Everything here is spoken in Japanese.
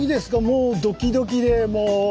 もうドキドキでもう。